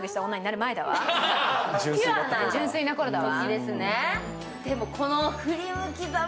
純粋なころだわ。